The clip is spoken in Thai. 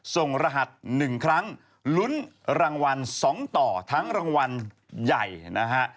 รหัส๑ครั้งลุ้นรางวัล๒ต่อทั้งรางวัลใหญ่นะฮะ